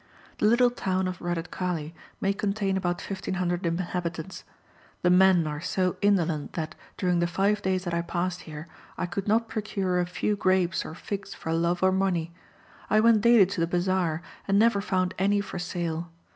The little town of Redutkale may contain about 1,500 inhabitants. The men are so indolent that, during the five days that I passed here, I could not procure a few grapes or figs for love or money. I went daily to the bazaar, and never found any for sale.